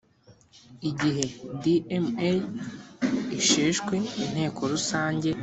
igihe dma isheshwe inteko rusange